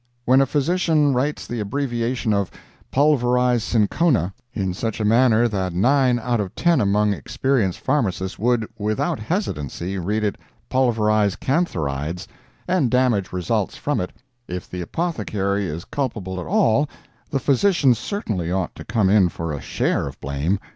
When a physician writes the abbreviation of "pulverized cinchona" in such a manner that nine out of ten among experienced pharmacists would, without hesitancy, read it "pulverized cantharides," and damage results from it, if the apothecary is culpable at all, the physician certainly ought to come in for a share of blame.